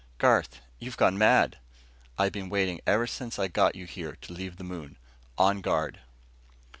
"Garth, you've gone mad." "I've been waiting ever since I got you to leave the moon. On guard!"